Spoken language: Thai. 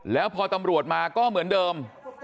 แล้วพอตำรวจมาก็เหมือนเดิม